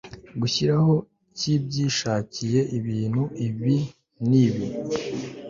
gushyiraho kibyishakiye ibintu ibi n ibi